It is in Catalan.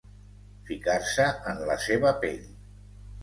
Ficar-se en la seva pell.